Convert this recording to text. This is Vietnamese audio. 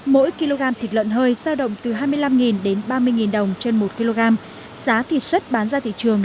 mỗi kg thịt lợn hơi giao động từ hai mươi năm đến ba mươi đồng trên một kg giá thịt xuất bán ra thị trường